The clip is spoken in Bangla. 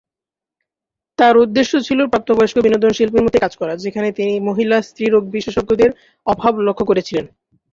তার উদ্দেশ্য ছিল প্রাপ্তবয়স্ক বিনোদন শিল্পের মধ্যে কাজ করা, যেখানে তিনি মহিলা স্ত্রীরোগ বিশেষজ্ঞের অভাব লক্ষ্য করেছিলেন।